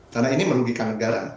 karena ini merugikan negara